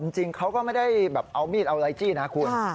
จริงเค้าไม่ได้แบบเอามีดเอาไลท์จี้นะครับ